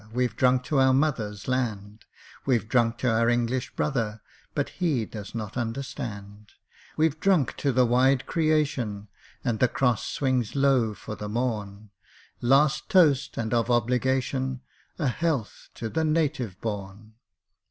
We've drunk, to our mothers' land; We've drunk to our English brother (But he does not understand); We've drunk to the wide creation, And the Cross swings low for the morn; Last toast, and of obligation, A health to the Native born!